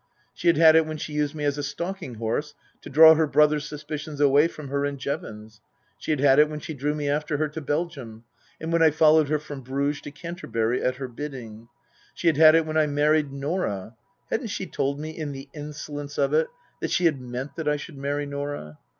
She had had it when she used me as a stalking horse to draw her brother's suspicions away from her and Jevons ; she had had it when she drew me after her to Belgium, and when I followed her from Bruges to Canter bury at her bidding ; she had had it when I married Norah (hadn't she told me, in the insolence of it, that she had meant that I should marry Norah?).